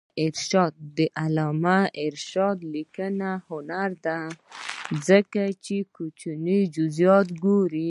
د علامه رشاد لیکنی هنر مهم دی ځکه چې کوچني جزئیات ګوري.